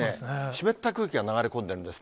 湿った空気が流れ込んでいるんです。